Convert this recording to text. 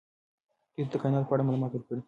دوی ته د کائناتو په اړه معلومات ورکړئ.